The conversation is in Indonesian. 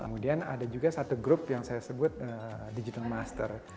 kemudian ada juga satu grup yang saya sebut digital master